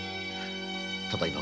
ただいま